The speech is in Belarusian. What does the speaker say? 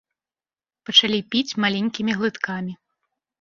Пачалі піць маленькімі глыткамі.